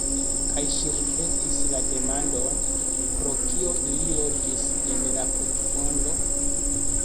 Kaj ŝi ripetis la demandon: "Pro kio ili loĝis en la putfundo?"